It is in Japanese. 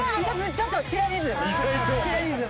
ちょっとチラリズム。